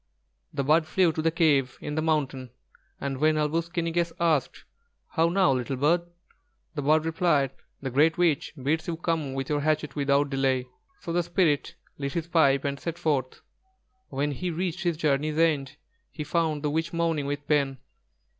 The bird flew to the cave in the mountain, and when Āl wūs ki ni gess asked: "How now, little bird?" the bird replied: "The Great Witch bids you come with your hatchet without delay." So the Spirit lit his pipe and set forth. When he reached his journey's end, he found the witch moaning with pain.